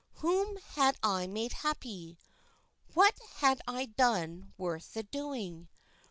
Whom had I made happy? What had I done worth the doing?